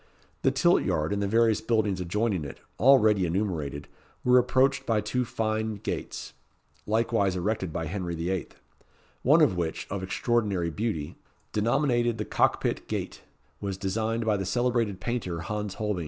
The tilt yard, and the various buildings adjoining it, already enumerated, were approached by two fine gates, likewise erected by Henry VIII., one of which, of extraordinary beauty, denominated the Cock pit Gate, was designed by the celebrated painter, Hans Holbein.